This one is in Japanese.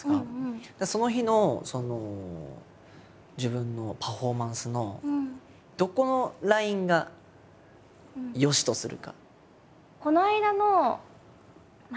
その日の自分のパフォーマンスのどこのラインがよしとするか。